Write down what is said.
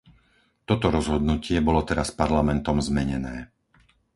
Toto rozhodnutie bolo teraz Parlamentom zmenené.